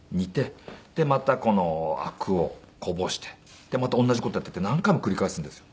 でまたアクをこぼしてまた同じ事をやってって何回も繰り返すんですよ。